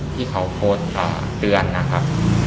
ที่เขาโพสต์เตือนนะครับ